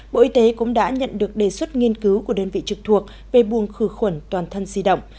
bộ y tế cũng đã nhận được đề xuất nghiên cứu của đơn vị trực thuộc về buồng khử khuẩn toàn thân di động